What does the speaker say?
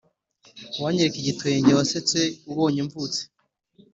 uwanyereka igitwenge wasetse ubonye mvutse